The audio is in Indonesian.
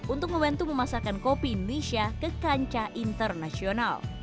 untuk membantu memasakkan kopi indonesia ke kancah internasional